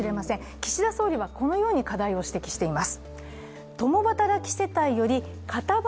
岸田総理は、このように課題を指摘しています。